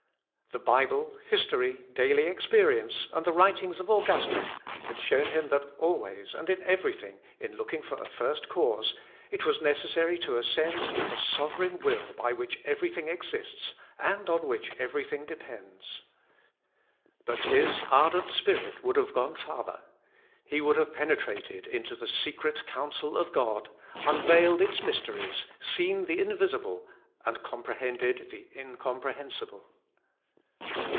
The Bible, history, daily experience, and the writings of Augustine, had shown him that always, and in every thing, in looking for a first cause, it was necessary to ascend to the sovereign will by which every thing exists, and on which every thing depends. But his ardent spirit would have gone farther. He would have penetrated into the secret counsel of God, unveiled its mysteries, seen the invisible, and comprehended the incomprehensible.